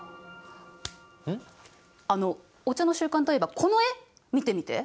あのお茶の習慣といえばこの絵見てみて。